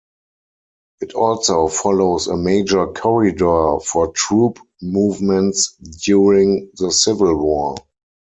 It also follows a major corridor for troop movements during the Civil War.